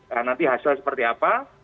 nah nanti hasil seperti apa